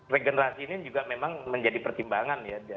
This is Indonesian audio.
regenerasi ini juga memang menjadi pertimbangan ya